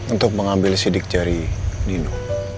untuk mengambil sidik jari nino